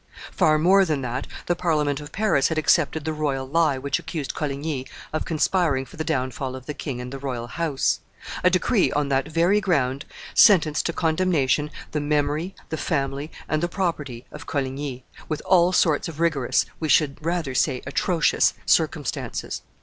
Far more than that, the Parliament of Paris had accepted the royal lie which accused Coligny of conspiring for the downfall of the king and the royal house; a decree, on that very ground, sentenced to condemnation the memory, the family, and the property of Coligny, with all sorts of rigorous, we should rather say atrocious, circumstances.